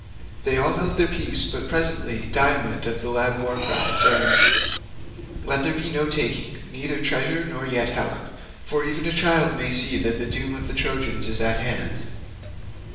They all held their peace, but presently Diomed of the loud war cry spoke, saying, "Let there be no taking, neither treasure, nor yet Helen, for even a child may see that the doom of the Trojans is at hand."